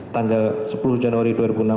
tanggal sepuluh januari dua ribu enam belas